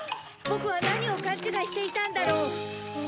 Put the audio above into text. ボクは何を勘違いしていたんだろう。